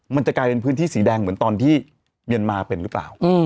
มันจะกลายเป็นพื้นที่สีแดงเหมือนตอนที่เมียนมาเป็นหรือเปล่า